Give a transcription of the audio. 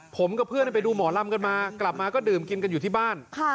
ผมกับเพื่อนไปดูหมอลำกันมากลับมาก็ดื่มกินกันอยู่ที่บ้าน